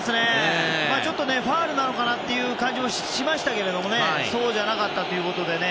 ファウルなのかなという感じもしましたけどもそうじゃなかったということで。